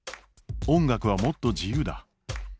「音楽はもっと自由だ。